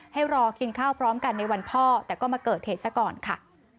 ให้รอกินข้าวพร้อมกันในวันพ่อแต่ก็มาเกิดเหตุซะก่อนค่ะ